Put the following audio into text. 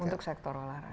untuk sektor olahraga